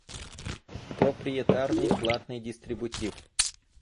Проприетарный платный дистрибутив